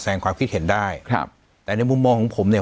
ความคิดเห็นได้ครับแต่ในมุมมองของผมเนี่ย